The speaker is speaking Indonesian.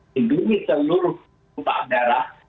hidungi seluruh tumpah darah